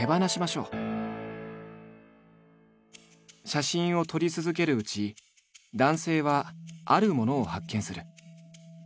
写真を撮り続けるうち男性はあるものを発見する。